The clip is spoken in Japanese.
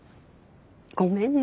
ごめんね。